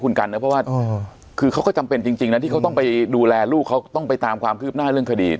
คุณกันนะเพราะว่าคือเขาก็จำเป็นจริงนะที่เขาต้องไปดูแลลูกเขาต้องไปตามความคืบหน้าเรื่องคดี